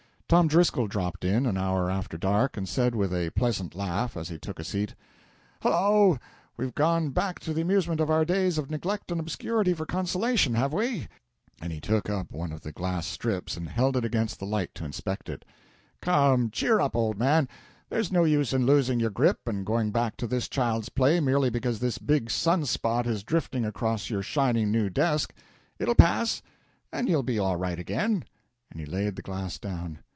Tom Driscoll dropped in, an hour after dark, and said with a pleasant laugh as he took a seat "Hello, we've gone back to the amusements of our days of neglect and obscurity for consolation, have we?" and he took up one of the glass strips and held it against the light to inspect it. "Come, cheer up, old man; there's no use in losing your grip and going back to this child's play merely because this big sunspot is drifting across your shiny new disk. It'll pass, and you'll be all right again," and he laid the glass down.